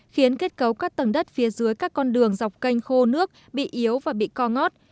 khiến kết cấu các tầng đất phía dưới các con đường dọc canh khô nước bị yếu và bị co ngót